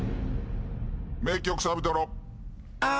名曲サビトロ。